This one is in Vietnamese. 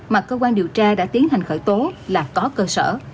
mà cơ quan điều tra đã tiến hành khởi tố là có cơ sở